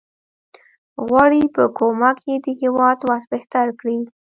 غواړي په کومک یې د هیواد وضع بهتره کړي.